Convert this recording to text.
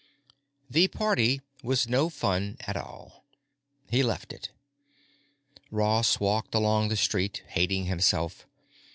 The party was no fun at all. He left it. Ross walked along the street, hating himself.